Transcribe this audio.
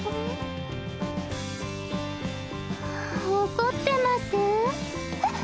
怒ってます？